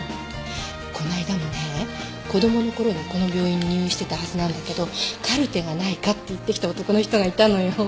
こないだもね子供のころにこの病院に入院してたはずなんだけどカルテがないかって言ってきた男の人がいたのよ。